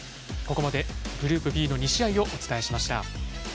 ここまでグループＢの２試合をお伝えしました。